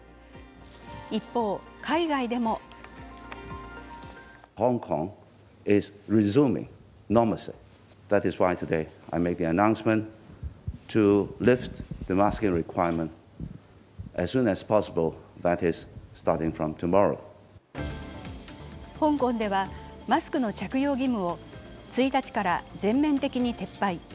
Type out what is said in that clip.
一方、海外でも香港ではマスクの着用義務を１日から全面的に撤廃。